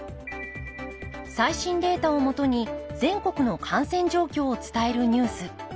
最新データをもとに全国の感染状況を伝えるニュース。